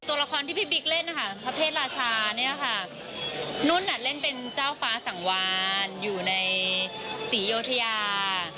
ตัวละครที่พี่บิ๊กเล่นนะคะพระเพศราชาเนี่ยค่ะนุ่นเล่นเป็นเจ้าฟ้าสังวานอยู่ในศรีอยุธยา